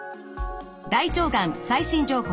「大腸がん最新情報」